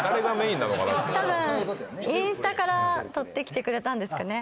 インスタから取ってきてくれたんですかね。